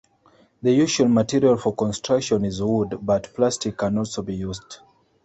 The usual material for construction is wood, but plastic can also be used.